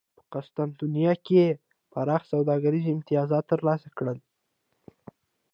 په قسطنطنیه کې یې پراخ سوداګریز امتیازات ترلاسه کړل